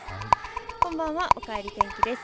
こんばんは、おかえり天気です。